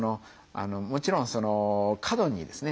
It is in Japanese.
もちろんその過度にですね